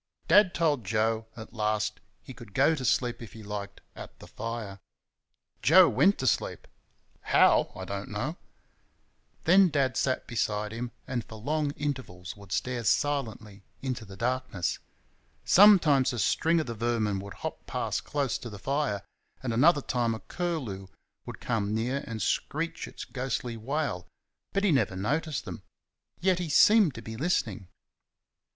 Dad told Joe, at last, he could go to sleep if he liked, at the fire. Joe went to sleep HOW, I don't know. Then Dad sat beside him, and for long intervals would stare silently into the darkness. Sometimes a string of the vermin would hop past close to the fire, and another time a curlew would come near and screech its ghostly wail, but he never noticed them. Yet he seemed to be listening.